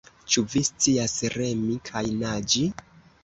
Ĉu vi scias remi kaj naĝi?